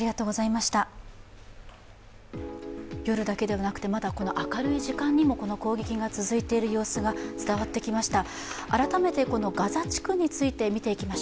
夜だけではなくてまだこの明るい時間にも攻撃が続いている様子が伝わってきました。